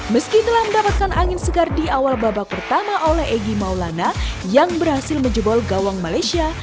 meski telah mendapatkan angin segar di awal babak pertama oleh egy maulana yang berhasil menjebol gawang malaysia